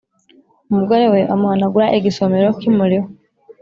umugorewe amuhanagura igisomero kimuriho